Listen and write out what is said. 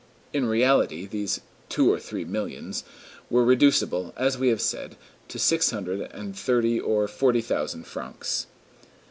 In reality, "these two or three millions" were reducible, as we have said, to six hundred and thirty or forty thousand francs.